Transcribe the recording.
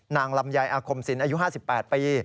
นางลำไยอาคมสินอายุ๕๘ปี